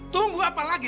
tunggu apa lagi